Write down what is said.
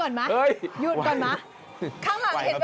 เดี๋ยวหยุดเล่นก่อนมาหยุดก่อนมา